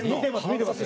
見てます。